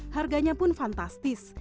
harganya pun fantastis